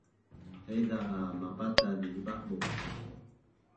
haiza a mapataz zi ba’bu’